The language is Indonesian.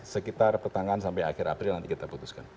sekitar pertengahan sampai akhir april nanti kita putuskan